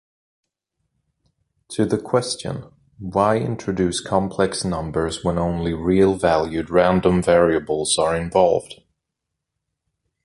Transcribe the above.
To the question Why introduce complex numbers when only real-valued random variables are involved?